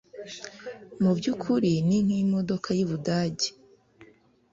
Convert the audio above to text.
mu by’ukuri n’ink’imodoka y’u Budage